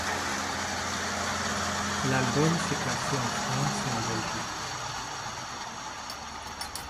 L'album s'est classé en France et en Belgique.